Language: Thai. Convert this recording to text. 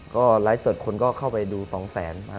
ก็ไลท์เสิร์ชคนก็เข้าไปดู๒๐๐๐๐๐มา๒๐๐๐๐๐